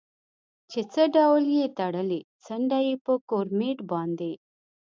چې څه ډول یې تړلی، څنډه یې په ګورمېټ باندې.